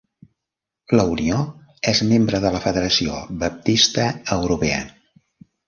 La unió és membre de la Federació Baptista Europea.